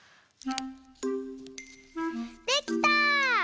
できた！